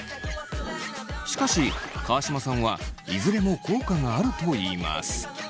しかし川島さんはいずれも効果があるといいます。